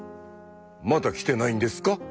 まだ来てないんですか？